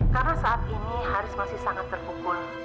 karena saat ini haris masih sangat terpukul